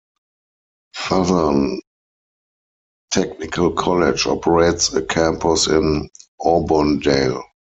Southern Technical College operates a campus in Auburndale.